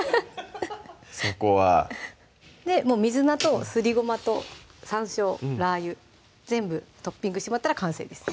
そこはもう水菜とすりごまと山椒・ラー油全部トッピングしてもらったら完成です